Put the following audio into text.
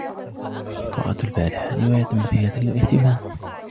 قرأت البارحة رواية مثيرة للإهتمام.